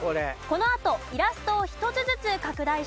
このあとイラストを１つずつ拡大していきます。